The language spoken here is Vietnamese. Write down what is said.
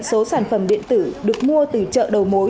số sản phẩm điện tử được mua từ chợ đầu mối